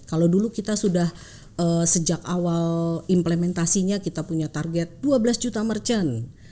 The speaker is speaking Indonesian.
kalau dulu kita sudah sejak awal implementasinya kita punya target dua belas juta merchant